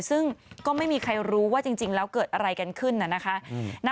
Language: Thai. ซึ่งก็ไม่มีใครรู้ว่าจริงแล้วเกิดอะไรกันขึ้นนะคะ